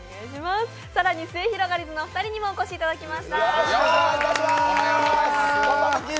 更に、すゑひろがりずのお二人にもお越しいただきました。